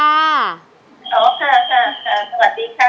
อ๋อค่ะค่ะสวัสดีค่ะ